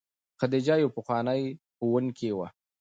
خدیجه یوه پخوانۍ ښوونکې وه.